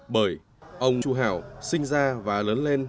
bởi ông chu hảo sinh ra và lớn lên